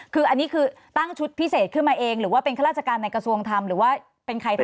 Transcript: คืออันนี้คือตั้งชุดพิเศษขึ้นมาเองหรือว่าเป็นข้าราชการในกระทรวงธรรมหรือว่าเป็นใครทำ